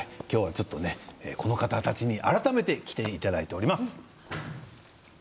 この方たちに改めて来ていただいております。